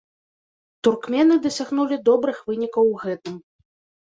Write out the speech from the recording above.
Туркмены дасягнулі добрых вынікаў у гэтым.